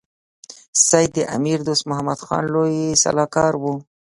سید د امیر دوست محمد خان لوی سلاکار وو.